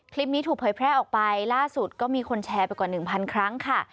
คลิปนี้ถูกเผยแพร่ออกไปล่าสุดก็มีคนแชร์ไปกว่าหนึ่งพันครั้งค่ะ